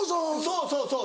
そうそうそう！